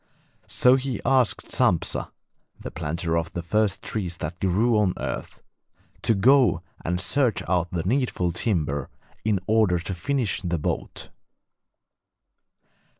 So he asked Sampsa (the planter of the first trees that grew on earth) to go and search out the needful timber in order to finish the boat.